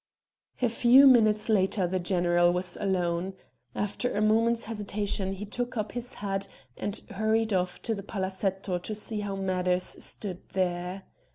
A few minutes later the general was alone; after a moment's hesitation he took up his hat and hurried off to the palazetto to see how matters stood there.